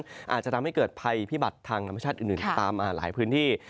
อาจจะทำให้เกิดภัยพิบัติทางธรรมชาติอื่นตามหลายพื้นที่